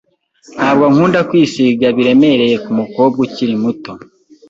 Ntabwo nkunda kwisiga biremereye kumukobwa ukiri muto.